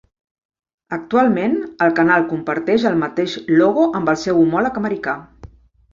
Actualment, el canal comparteix el mateix logo amb el seu homòleg americà.